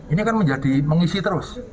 ini kan menjadi mengisi terus